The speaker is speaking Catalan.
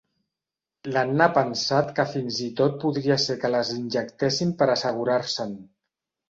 L'Anna ha pensat que fins i tot podria ser que les injectessin per assegurar-se'n.